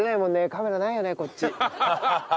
カメラないよねこっち。